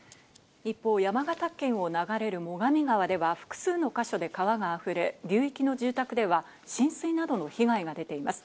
一方、山形県を流れる最上川では複数の箇所で川が溢れ、流域の住宅では浸水などの被害が出ています。